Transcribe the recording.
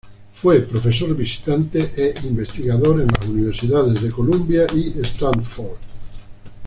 Fue profesor visitante e investigador en las Universidades de Columbia y Stanford.